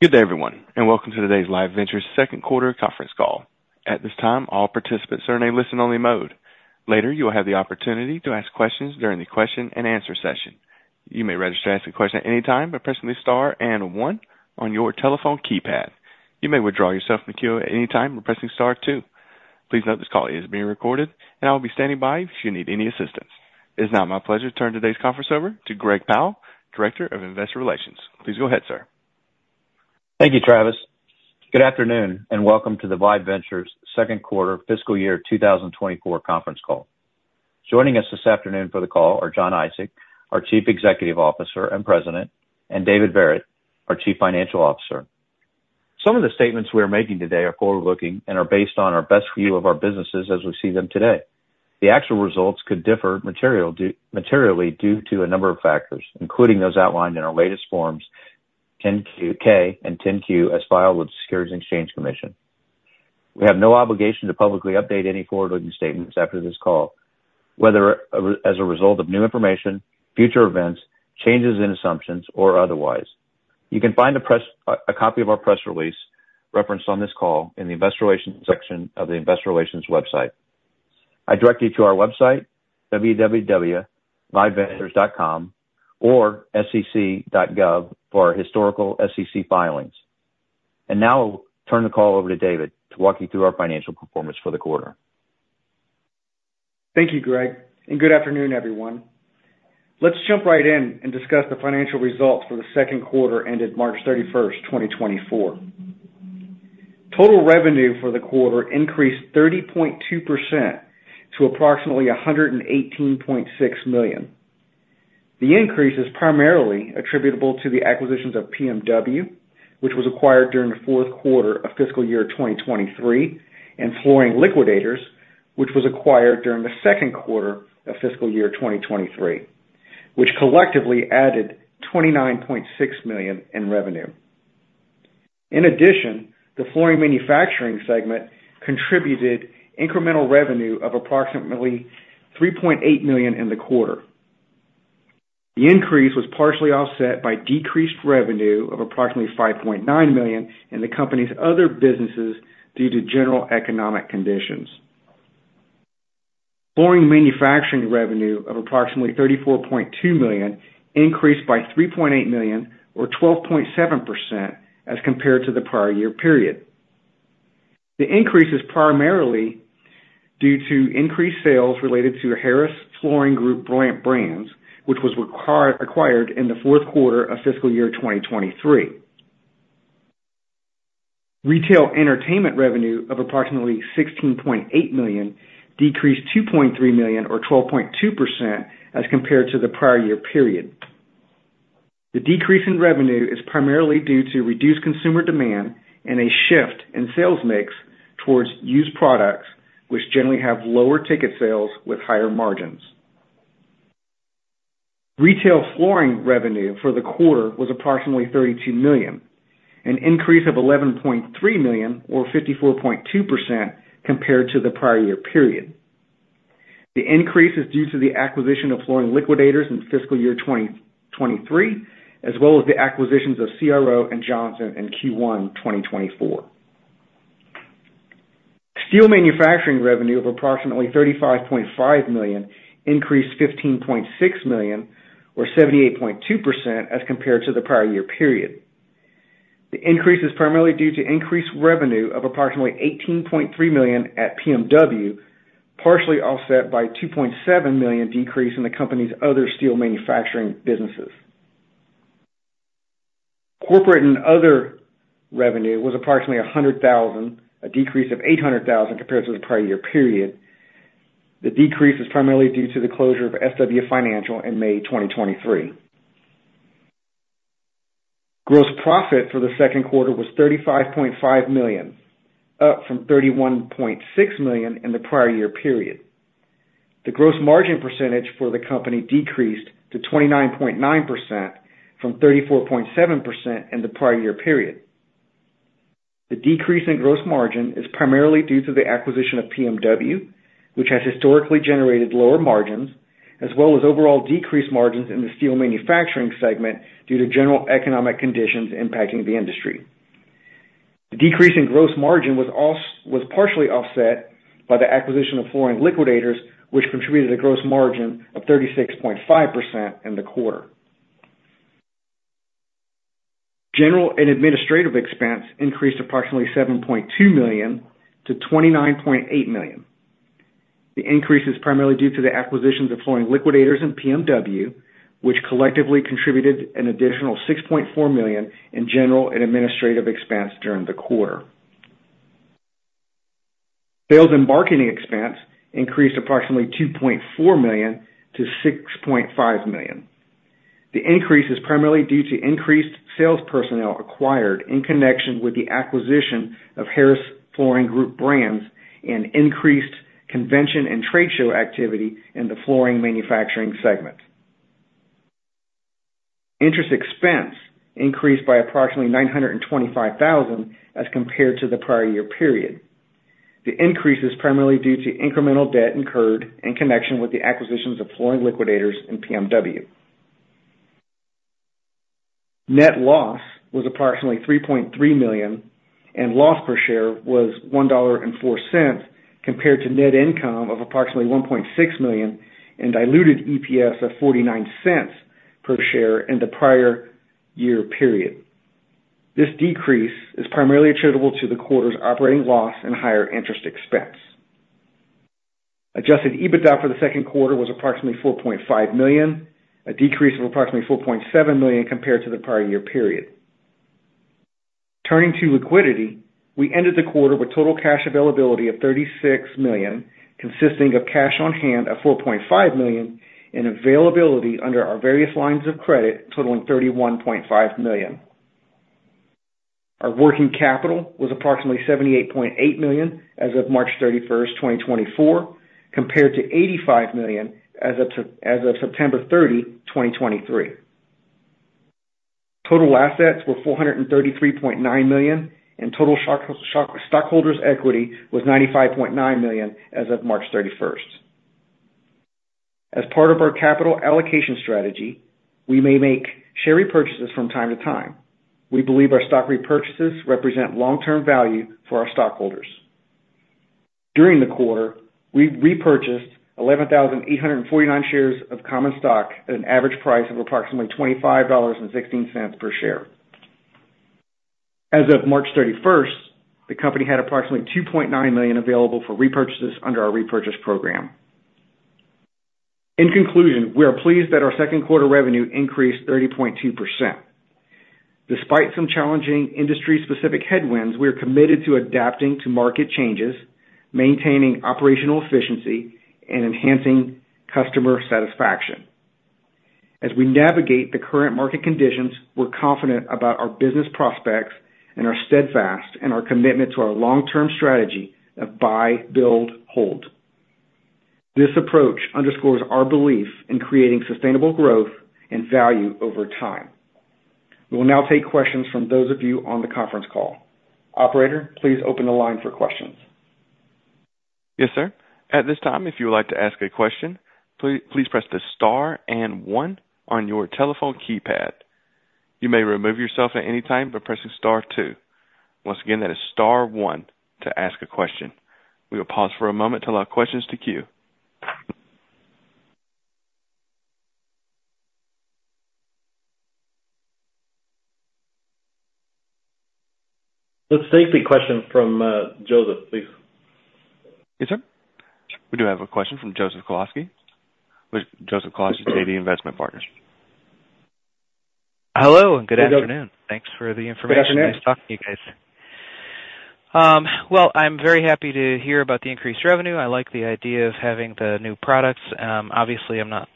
Good day, everyone, and welcome to today's Live Ventures second quarter conference call. At this time, all participants are in a listen-only mode. Later, you will have the opportunity to ask questions during the question-and-answer session. You may register to ask a question at any time by pressing star and one on your telephone keypad. You may withdraw yourself from the queue at any time by pressing star two. Please note this call is being recorded, and I will be standing by if you need any assistance. It is now my pleasure to turn today's conference over to Greg Powell, Director of Investor Relations. Please go ahead, sir. Thank you, Travis. Good afternoon, and welcome to the Live Ventures second quarter fiscal year 2024 conference call. Joining us this afternoon for the call are Jon Isaac, our Chief Executive Officer and President, and David Verret, our Chief Financial Officer. Some of the statements we are making today are forward-looking and are based on our best view of our businesses as we see them today. The actual results could differ materially due to a number of factors, including those outlined in our latest Forms 10-K and 10-Q, as filed with the Securities and Exchange Commission. We have no obligation to publicly update any forward-looking statements after this call, whether as a result of new information, future events, changes in assumptions, or otherwise. You can find a copy of our press release referenced on this call in the Investor Relations section of the Investor Relations website. I direct you to our website, www.liveventures.com, or sec.gov, for our historical SEC filings. And now I'll turn the call over to David to walk you through our financial performance for the quarter. Thank you, Greg, and good afternoon, everyone. Let's jump right in and discuss the financial results for the second quarter ended March 31, 2024. Total revenue for the quarter increased 30.2% to approximately $118.6 million. The increase is primarily attributable to the acquisitions of PMW, which was acquired during the fourth quarter of fiscal year 2023, and Flooring Liquidators, which was acquired during the second quarter of fiscal year 2023, which collectively added $29.6 million in revenue. In addition, the flooring manufacturing segment contributed incremental revenue of approximately $3.8 million in the quarter. The increase was partially offset by decreased revenue of approximately $5.9 million in the company's other businesses due to general economic conditions. Flooring manufacturing revenue of approximately $34.2 million increased by $3.8 million or 12.7% as compared to the prior year period. The increase is primarily due to increased sales related to the Harris Flooring Group brands, which was acquired in the fourth quarter of fiscal year 2023. Retail entertainment revenue of approximately $16.8 million decreased $2.3 million or 12.2% as compared to the prior year period. The decrease in revenue is primarily due to reduced consumer demand and a shift in sales mix towards used products, which generally have lower ticket sales with higher margins. Retail flooring revenue for the quarter was approximately $32 million, an increase of $11.3 million or 54.2% compared to the prior year period. The increase is due to the acquisition of Flooring Liquidators in fiscal year 2023, as well as the acquisitions of CRO and Johnson in Q1 2024. Steel manufacturing revenue of approximately $35.5 million increased $15.6 million or 78.2% as compared to the prior year period. The increase is primarily due to increased revenue of approximately $18.3 million at PMW, partially offset by a $2.7 million decrease in the company's other steel manufacturing businesses. Corporate and other revenue was approximately $100,000, a decrease of $800,000 compared to the prior year period. The decrease is primarily due to the closure of SW Financial in May 2023. Gross profit for the second quarter was $35.5 million, up from $31.6 million in the prior year period. The gross margin percentage for the company decreased to 29.9% from 34.7% in the prior year period. The decrease in gross margin is primarily due to the acquisition of PMW, which has historically generated lower margins, as well as overall decreased margins in the steel manufacturing segment due to general economic conditions impacting the industry. The decrease in gross margin was partially offset by the acquisition of Flooring Liquidators, which contributed a gross margin of 36.5% in the quarter. General and administrative expense increased approximately $7.2 million to $29.8 million. The increase is primarily due to the acquisitions of Flooring Liquidators and PMW, which collectively contributed an additional $6.4 million in general and administrative expense during the quarter. Sales and marketing expense increased approximately $2.4 million-$6.5 million. The increase is primarily due to increased sales personnel acquired in connection with the acquisition of Harris Flooring Group brands and increased convention and trade show activity in the flooring manufacturing segment. Interest expense increased by approximately $925,000 as compared to the prior year period. The increase is primarily due to incremental debt incurred in connection with the acquisitions of Flooring Liquidators and PMW. Net loss was approximately $3.3 million, and loss per share was $1.04, compared to net income of approximately $1.6 million and diluted EPS of $0.49 per share in the prior year period. This decrease is primarily attributable to the quarter's operating loss and higher interest expense. Adjusted EBITDA for the second quarter was approximately $4.5 million, a decrease of approximately $4.7 million compared to the prior year period. Turning to liquidity, we ended the quarter with total cash availability of $36 million, consisting of cash on hand of $4.5 million, and availability under our various lines of credit totaling $31.5 million. Our working capital was approximately $78.8 million as of March 31, 2024, compared to $85 million as of September 30, 2023. Total assets were $433.9 million, and total stockholders' equity was $95.9 million as of March 31. As part of our capital allocation strategy, we may make share repurchases from time to time. We believe our stock repurchases represent long-term value for our stockholders. During the quarter, we repurchased 11,849 shares of common stock at an average price of approximately $25.16 per share. As of March 31st, the company had approximately $2.9 million available for repurchases under our repurchase program. In conclusion, we are pleased that our second quarter revenue increased 30.2%. Despite some challenging industry-specific headwinds, we are committed to adapting to market changes, maintaining operational efficiency, and enhancing customer satisfaction. As we navigate the current market conditions, we're confident about our business prospects and are steadfast in our commitment to our long-term strategy of Buy, Build, Hold. This approach underscores our belief in creating sustainable growth and value over time. We will now take questions from those of you on the conference call. Operator, please open the line for questions. Yes, sir. At this time, if you would like to ask a question, please press the star and one on your telephone keypad. You may remove yourself at any time by pressing star two. Once again, that is star one to ask a question. We will pause for a moment to allow questions to queue. Let's take the question from Joseph, please. Yes, sir. We do have a question from Joseph Kowalski with AD Investment Partners. Hello, and good afternoon. Hey, Joe. Thanks for the information. Good afternoon. Nice talking to you guys. Well, I'm very happy to hear about the increased revenue. I like the idea of having the new products. Obviously, I'm not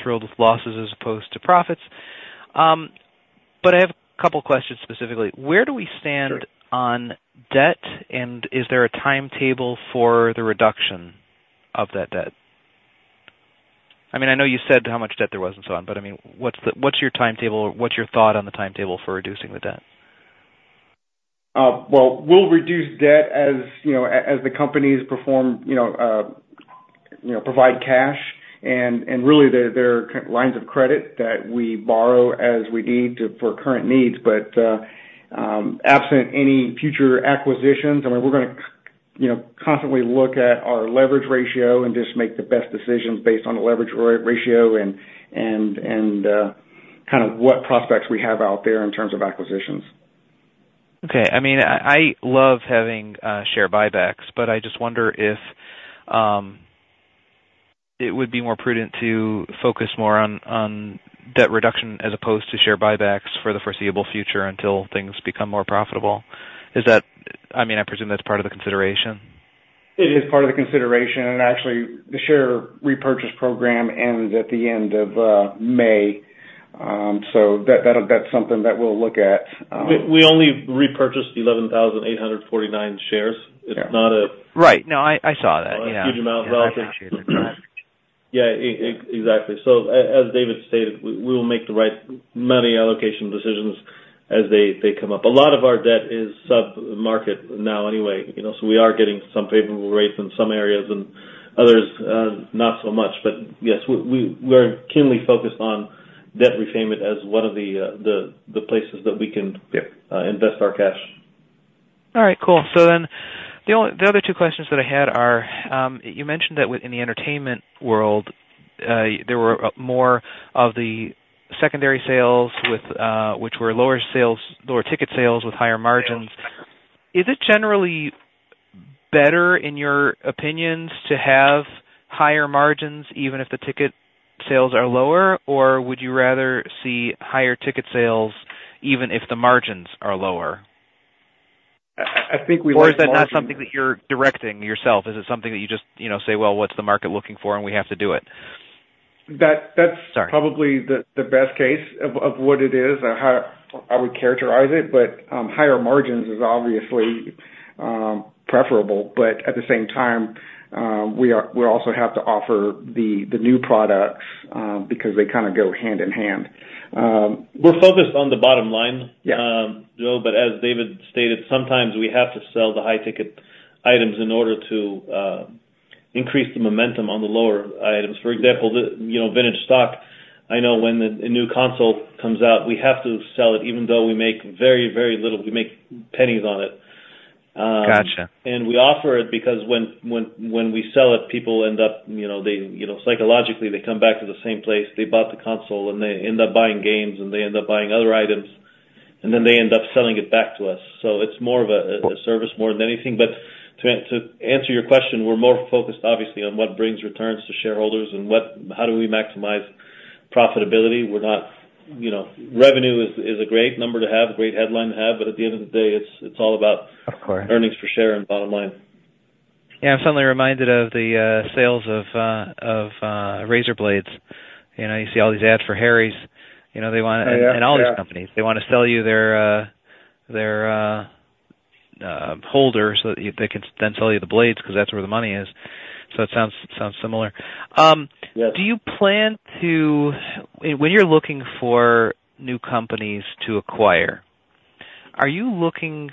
thrilled with losses as opposed to profits. But I have a couple questions specifically. Where do we stand- Sure on debt, and is there a timetable for the reduction of that debt? I mean, I know you said how much debt there was and so on, but I mean, what's your timetable, or what's your thought on the timetable for reducing the debt? Well, we'll reduce debt as, you know, as the companies perform, you know, provide cash, and really, there are lines of credit that we borrow as we need to for current needs. But, absent any future acquisitions, I mean, we're gonna, you know, constantly look at our leverage ratio and just make the best decisions based on the leverage ratio and kind of what prospects we have out there in terms of acquisitions. Okay, I mean, I love having share buybacks, but I just wonder if it would be more prudent to focus more on debt reduction as opposed to share buybacks for the foreseeable future until things become more profitable. Is that? I mean, I presume that's part of the consideration. It is part of the consideration, and actually, the share repurchase program ends at the end of May. So that's something that we'll look at, We only repurchased 11,849 shares. Yeah. It's not a- Right. No, I saw that. Yeah. It's not a huge amount. Well, I think- Yeah, exactly. So as David stated, we will make the right money allocation decisions as they come up. A lot of our debt is sub-market now anyway, you know, so we are getting some favorable rates in some areas, and others, not so much. But yes, we're keenly focused on debt repayment as one of the places that we can- Yeah invest our cash. All right, cool. So then the only, the other two questions that I had are, you mentioned that within the entertainment world, there were more of the secondary sales with which were lower sales, lower ticket sales with higher margins. Is it generally better, in your opinions, to have higher margins even if the ticket sales are lower, or would you rather see higher ticket sales even if the margins are lower? I think we like- Or is that not something that you're directing yourself? Is it something that you just, you know, say, "Well, what's the market looking for, and we have to do it? That, that's- Sorry probably the best case of what it is and how I would characterize it, but higher margins is obviously preferable. But at the same time, we are-- we also have to offer the new products because they kinda go hand in hand, We're focused on the bottom line- Yeah Joe, but as David stated, sometimes we have to sell the high-ticket items in order to- increase the momentum on the lower items. For example, you know, Vintage Stock. I know when a new console comes out, we have to sell it, even though we make very, very little, we make pennies on it. Gotcha. And we offer it because when we sell it, people end up, you know, they, you know, psychologically, they come back to the same place they bought the console, and they end up buying games, and they end up buying other items, and then they end up selling it back to us. So it's more of a service more than anything. But to answer your question, we're more focused, obviously, on what brings returns to shareholders and what, how do we maximize profitability. We're not, you know. Revenue is a great number to have, a great headline to have, but at the end of the day, it's all about- Of course. earnings per share and bottom line. Yeah, I'm suddenly reminded of the sales of razorblades. You know, you see all these ads for Harry's, you know, they wanna- Yeah, yeah. and all these companies, they want to sell you their holder, so that they can then sell you the blades, 'cause that's where the money is. So it sounds similar. Yes. Do you plan to. When you're looking for new companies to acquire, are you looking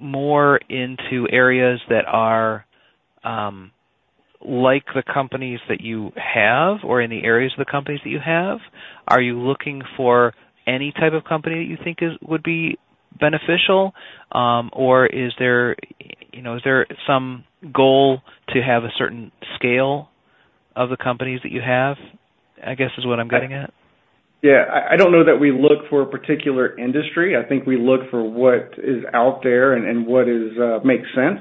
more into areas that are, like the companies that you have or in the areas of the companies that you have? Are you looking for any type of company that you think is, would be beneficial, or is there, you know, is there some goal to have a certain scale of the companies that you have? I guess, is what I'm getting at. Yeah. I don't know that we look for a particular industry. I think we look for what is out there and what makes sense.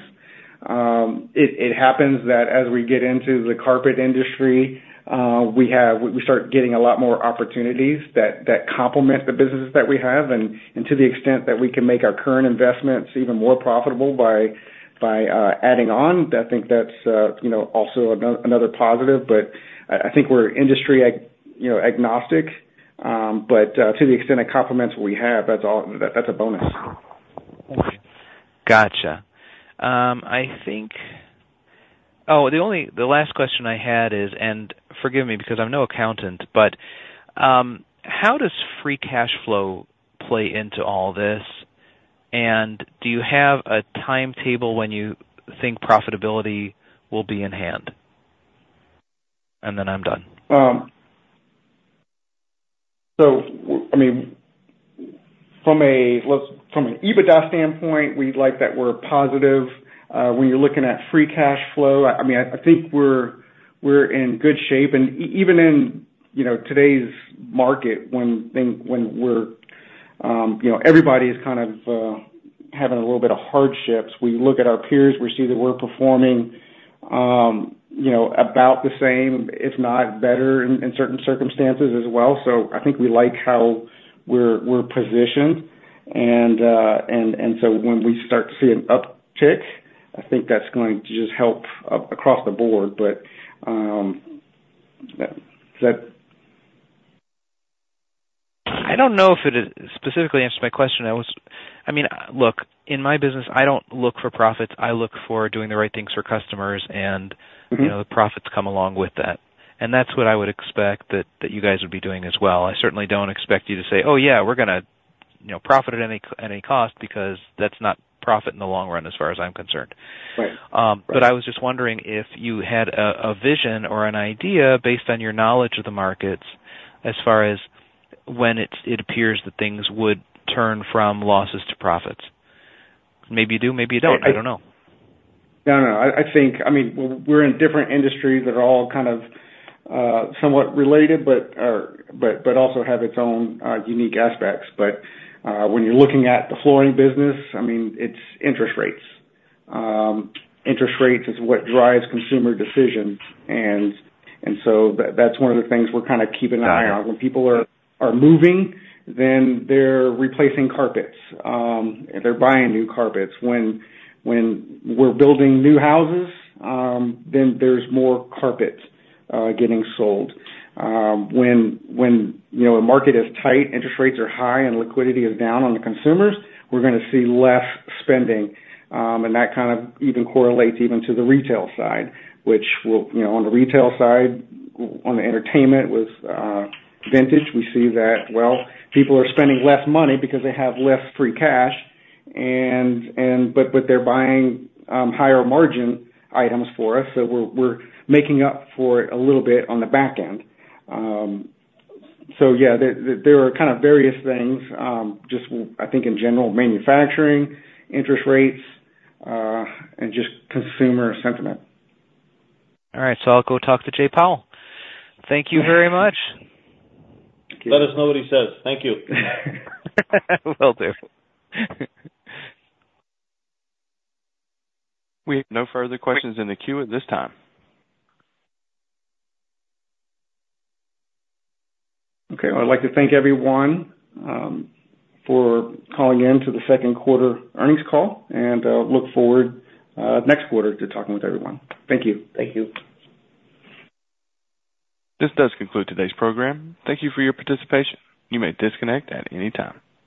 It happens that as we get into the carpet industry, we start getting a lot more opportunities that complement the businesses that we have, and to the extent that we can make our current investments even more profitable by adding on, I think that's, you know, also another positive. But I think we're industry agnostic, you know, but to the extent it complements what we have, that's all, that's a bonus. Gotcha. Oh, the only, the last question I had is, and forgive me because I'm no accountant, but, how does free cash flow play into all this? And do you have a timetable when you think profitability will be in hand? And then I'm done. So I mean, from an EBITDA standpoint, we'd like that we're positive. When you're looking at free cash flow, I mean, I think we're, we're in good shape. And even in, you know, today's market, when things, when we're, you know, everybody is kind of having a little bit of hardships. We look at our peers, we see that we're performing, you know, about the same, if not better, in, in certain circumstances as well. So I think we like how we're, we're positioned. And, and so when we start to see an uptick, I think that's going to just help across the board. But, does that- I don't know if it, specifically answered my question. I was. I mean, look, in my business, I don't look for profits. I look for doing the right things for customers, and- Mm-hmm. you know, the profits come along with that. And that's what I would expect that, that you guys would be doing as well. I certainly don't expect you to say, "Oh, yeah, we're gonna, you know, profit at any cost," because that's not profit in the long run, as far as I'm concerned. Right. But I was just wondering if you had a vision or an idea based on your knowledge of the markets as far as when it appears that things would turn from losses to profits. Maybe you do, maybe you don't. I don't know. No, no. I think, I mean, we're in different industries that are all kind of somewhat related, but are also have its own unique aspects. But when you're looking at the flooring business, I mean, it's interest rates. Interest rates is what drives consumer decisions, and so that's one of the things we're kind of keeping an eye on. Got it. When people are moving, then they're replacing carpets, they're buying new carpets. When we're building new houses, then there's more carpets getting sold. When you know, a market is tight, interest rates are high and liquidity is down on the consumers, we're gonna see less spending. And that kind of even correlates even to the retail side, which will. You know, on the retail side, on the entertainment with vintage, we see that, well, people are spending less money because they have less free cash, and but they're buying higher margin items for us, so we're making up for it a little bit on the back end. So yeah, there are kind of various things, just I think in general, manufacturing, interest rates, and just consumer sentiment. All right, so I'll go talk to Jay Powell. Thank you very much. Let us know what he says. Thank you. Will do. We have no further questions in the queue at this time. Okay. I'd like to thank everyone for calling in to the second quarter earnings call, and look forward next quarter to talking with everyone. Thank you. Thank you. This does conclude today's program. Thank you for your participation. You may disconnect at any time.